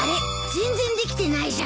全然できてないじゃない。